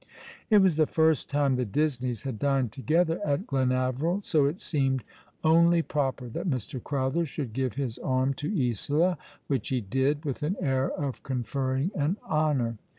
It was the first time the Disneys had dined together at Glenaveril, so it seemed only proper that Mr. Crowther should give his arm to Isola, which he did with an air of conferring an honour.